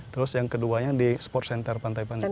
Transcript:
terus yang keduanya di sports center pantai panjang